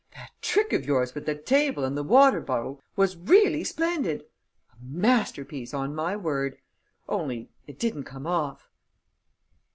That trick of yours with the table and the water bottle was really splendid! A masterpiece, on my word! Only, it didn't come off!"